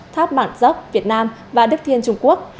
tháp bản dốc việt nam và đức thiên trung quốc